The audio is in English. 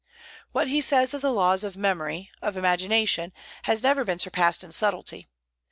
What he says of the laws of memory, of imagination, has never been surpassed in subtlety.